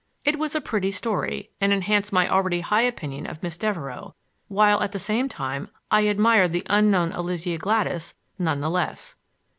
It was a pretty story, and enhanced my already high opinion of Miss Devereux, while at the same time I admired the unknown Olivia Gladys none the less.